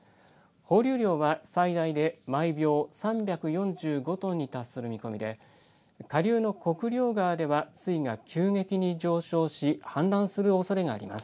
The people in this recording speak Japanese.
放流量は最大で毎秒３４５トンに達する見込みで下流の国領川では水が急激に上昇し氾濫するおそれがあります。